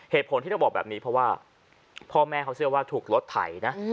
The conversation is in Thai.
เหตุผลที่ต้องบอกแบบนี้เพราะว่าพ่อแม่เขาเชื่อว่าถูกรถไถนะ